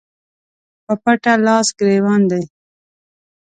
په پټه لاس ګرېوان دي